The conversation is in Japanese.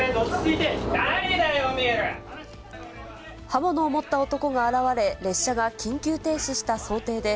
刃物を持った男が現れ、列車が緊急停止した想定で、